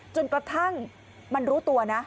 จนกระทั่งมันรู้ตัวนะ